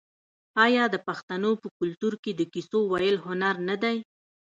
آیا د پښتنو په کلتور کې د کیسو ویل هنر نه دی؟